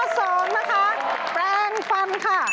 สองนะคะแปลงฟันค่ะ